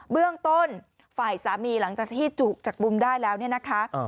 เบื้องต้นฝ่ายสามีหลังจากที่จุจากมุมได้แล้วเนี่ยนะคะ